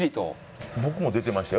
僕も出てましたよ